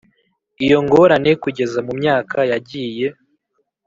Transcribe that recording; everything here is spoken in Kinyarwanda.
Iyo ngorane kugeza mu myaka ya yagiye